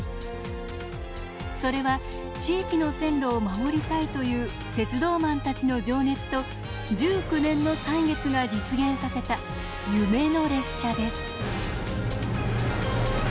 それは地域の線路を守りたいという鉄道マンたちの情熱と１９年の歳月が実現させた「夢の列車」です。